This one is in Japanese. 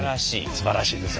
すばらしいですよ。